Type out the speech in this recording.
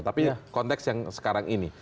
tapi konteks yang sekarang ini